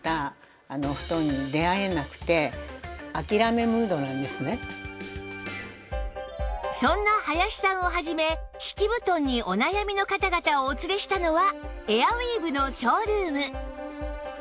実はではそんな林さんを始め敷き布団にお悩みの方々をお連れしたのはエアウィーヴのショールーム